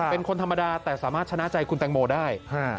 เป็นคนธรรมดาแต่สามารถชนะใจคุณแตงโมได้